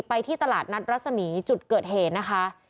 ที่ตลาดนัดรัศมีร์จุดเกิดเหตุนะคะ